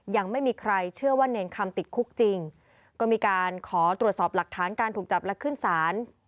ยังไม่มีใครเชื่อว่าเนรคำติดคุกจริงก็มีการขอตรวจสอบหลักฐานการถูกจับและขึ้นศาล